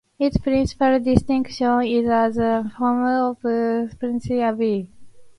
Its principal distinction is as the home of Pontigny Abbey.